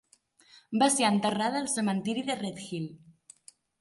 Va ser enterrada al cementiri de Redhill.